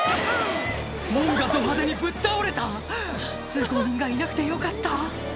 門がど派手にぶっ倒れた通行人がいなくてよかった